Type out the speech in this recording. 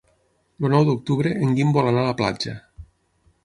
El nou d'octubre en Guim vol anar a la platja.